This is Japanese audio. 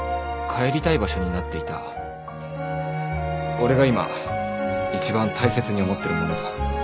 俺が今一番大切に思ってるものだ。